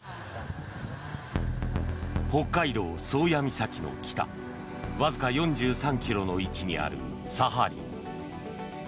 北海道・宗谷岬の北わずか４３ｋｍの位置にあるサハリン。